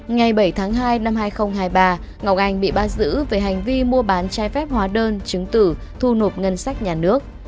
ngày bảy tháng hai năm hai nghìn hai mươi ba ngọc anh bị bắt giữ về hành vi mua bán trái phép hóa đơn chứng tử thu nộp ngân sách nhà nước